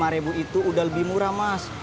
satu ratus lima ribu itu udah lebih murah mas